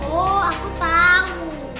oh aku tau